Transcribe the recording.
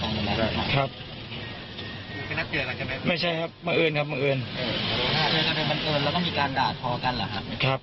เป็นนักเกิดหรอครับแม่ไม่ใช่ครับบังเอิญครับบังเอิญแล้วก็มีการด่าพ่อกันเหรอครับ